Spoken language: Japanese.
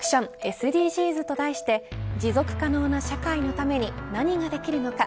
ＳＤＧｓと題して持続可能な社会のために何ができるのか。